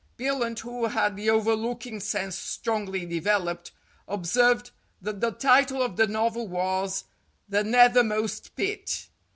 Billunt, who had the overlooking sense strongly developed, observed that the title of the novel was "The Nethermost Pit."